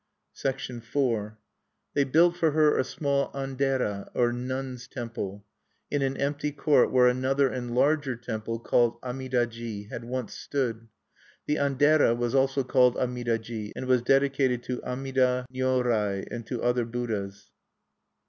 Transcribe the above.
IV They built for her a small An dera, or Nun's Temple, in an empty court where another and larger temple, called Amida ji, had once stood. The An dera was also called Amida ji, and was dedicated to Amida Nyorai and to other Buddhas.